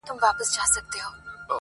• دا دنيا به مالامال وي له بدلارو -